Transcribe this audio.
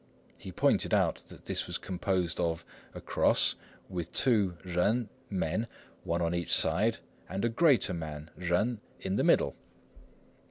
He pointed out that this was composed of "a cross," with two 人人 "men," one on each side, and a "greater man" 人 in the middle.